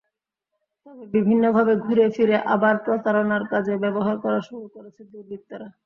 তবে বিভিন্নভাবে ঘুরে–ফিরে আবার প্রতারণার কাজে ব্যবহার করা শুরু করেছে দুর্বৃত্তরা।